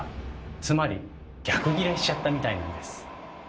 つまり逆ギレしちゃったみたいなんです。